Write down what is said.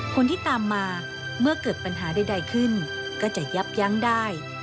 คนที่ตามมาเมื่อเกิดปัญหาใดขึ้นก็จะยับยั้งได้